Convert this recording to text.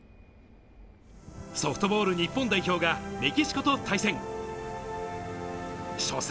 ソフトボール日本代表がメキシコと対戦。